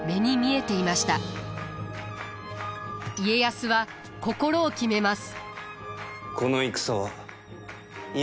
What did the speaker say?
家康は心を決めます。